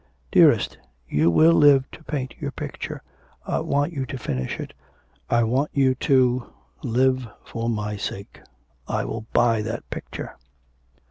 'Dearest, you will live to paint your picture. I want you to finish it. I want you to: live for my sake. ... I will buy that picture.'